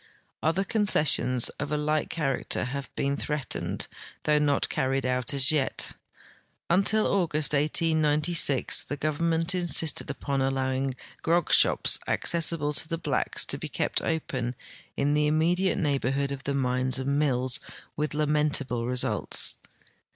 Other concessions of a like character have been threatened, though not carried out as yet. Until August, 1896, the government insisted upon allowing grog shops accessible to the blacks to be kept open in the immediate neighborhood of the mines and mills, with lamentable results.